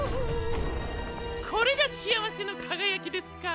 これが「しあわせのかがやき」ですか。